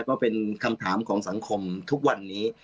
ก็เป็นคำถามของสังคมทุกวันนี้